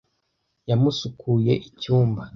Yamusukuye icyumba.